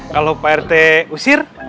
kalau pak rt usir